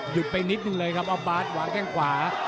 หยุดไปนิดนึงเลยครับเอาบาสหวางแก้งขวา